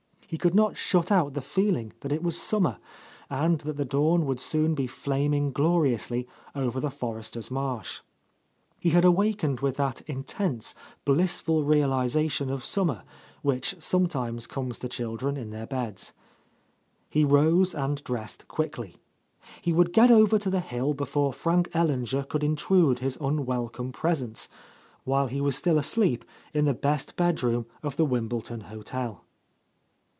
He could not shut out the feeling that it was summer, and that the dawn would soon be flaming glori ously over the Forresters' marsh. He had awakened with that intense, blissful realization of summer which sometimes comes to children in their beds. He rose and dressed quickly. He would get over to the hill before Frank Ellinger could intrude his unwelcome presence, while he was still asleep in the best bedroom of the Wimbleton hotel.